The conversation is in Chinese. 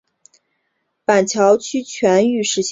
板桥区全域已实施。